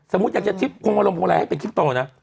สมมุติอยากจะทิศโครงการมองอะไรให้เป็นคิปโตนะ